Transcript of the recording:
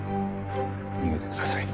逃げてください。